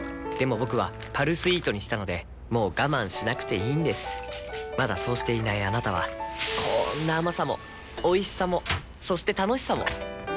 僕は「パルスイート」にしたのでもう我慢しなくていいんですまだそうしていないあなたはこんな甘さもおいしさもそして楽しさもあちっ。